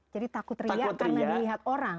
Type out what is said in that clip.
jadi takut ria karena dilihat orang